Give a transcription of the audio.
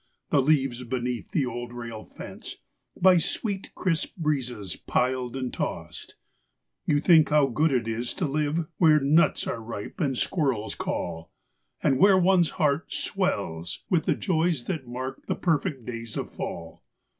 The leaves beneath the old rail fence by sweet, crisp breezes piled and tossed, Vou think how good it is to live where nuts are ripe and squirrels call, And where one's heart swells with the joys that mark the perfect days of fall.